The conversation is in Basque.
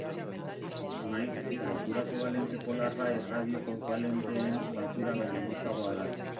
Maiz, lotura kobalente polarra erradio kobalenteen batura baina motzagoa da.